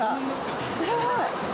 すごーい！